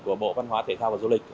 của bộ văn hóa thể thao và du lịch